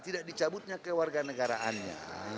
tidak dicabutnya kewarganegaraannya